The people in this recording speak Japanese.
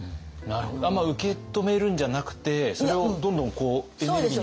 あんま受け止めるんじゃなくてそれをどんどんエネルギーに変えていく？